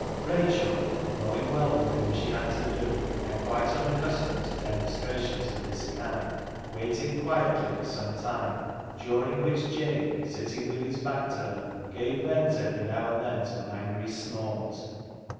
Rachel, knowing well with whom she had to do, and quite accustomed to demonstrations of this kind, waited quietly for some time, during which Jabe, sitting with his back to her, gave vent every now and then to an angry snort.